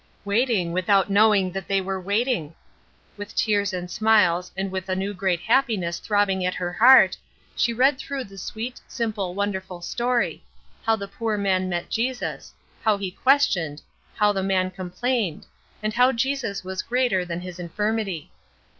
Waiting without knowing that they were waiting. With tears and smiles, and with a new great happiness throbbing at her heart, she read through the sweet, simple, wonderful story; how the poor man met Jesus; how he questioned; how the man complained; and how Jesus was greater than his infirmity.